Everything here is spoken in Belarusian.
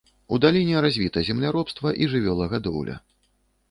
У даліне развіта земляробства і жывёлагадоўля.